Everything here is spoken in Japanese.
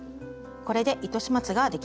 これで糸始末ができました。